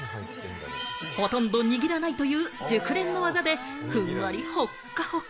ほとんど握らないという熟練の技で、ふんわり、ほっかほか！